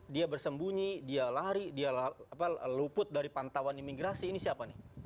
dia bersembunyi dia lari dia luput dari pantauan imigrasi ini siapa nih